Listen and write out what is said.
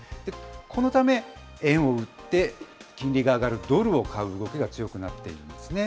このため、円を売って金利が上がるドルを買う動きが強くなっていますね。